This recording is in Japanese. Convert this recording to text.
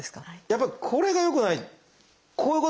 やっぱりこれがよくない。